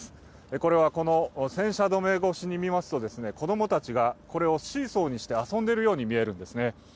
これは、戦車止め越しに見ますと、これを子供たちがシーソーにして遊んでいるように見えるんですね。